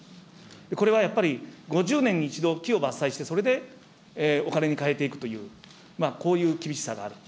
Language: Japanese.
これはやっぱり、５０年に１度、木を伐採して、それでお金にかえていくという、こういう厳しさがある。